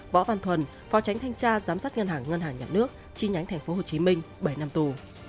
võ văn thuần phó tránh thanh tra giám sát ngân hàng ngân hàng nhà nước chi nhánh tp hcm bảy năm tù